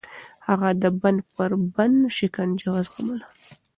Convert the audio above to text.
هغه د بند پر بند شکنجه وزغمله.